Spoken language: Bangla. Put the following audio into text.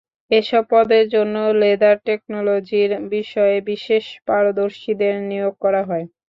এসব পদের জন্য লেদার টেকনোলজির বিষয়ে বিশেষ পারদর্শীদের নিয়োগ করা হয়।